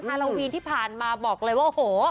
ฮาโลวีนที่ผ่านมาบอกเลยว่าโอ้โห